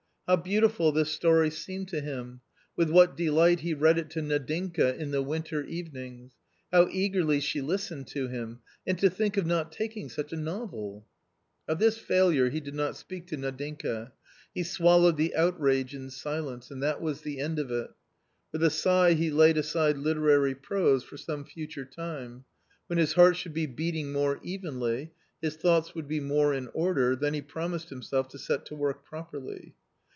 How beautiful this story seemed to him ! with what delight he read it to Nadinka in the winter evenings ! How eagerly she listened to him !— and to think of not taking such a novel ! Of this failure he did not speak to Nadinka; he swal lowed the outrage in silence — and that was the end of it With a sigh he laid aside literary prose for some future time; when his heart should be beating more evenly, his thoughts would be more in order, then he promised himself to set to work properly.